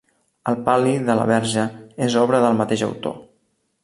El pal·li de la Verge és obra del mateix autor.